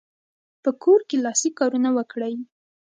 په کور کې لاسي کارونه وکړئ.